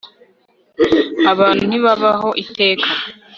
Abantu ntibabaho iteka